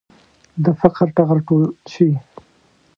د فقر ټغر ټول شي.